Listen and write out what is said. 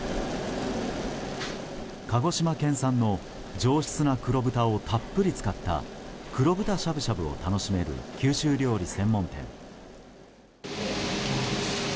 鹿児島県産の上質な黒豚をたっぷり使った黒豚しゃぶしゃぶを楽しめる九州料理専門店。